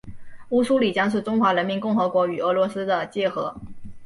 乌苏里江是中华人民共和国与俄罗斯的界河。